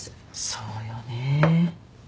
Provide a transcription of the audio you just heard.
そうよね。